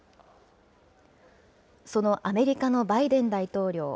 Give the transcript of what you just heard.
そのアメリカのバイデン大統領。